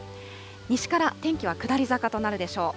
西から天気は下り坂となるでしょう。